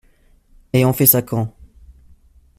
Et on fait ça quand?